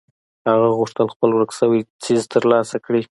هغه غوښتل خپل ورک شوی څيز تر لاسه کړي.